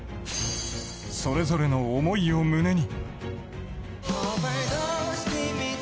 それぞれの思いを胸に。